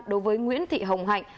đối với nguyễn thị hồng hạnh